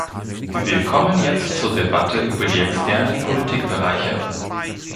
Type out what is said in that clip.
Wir kommen jetzt zur Debatte über die externen Politikbereiche.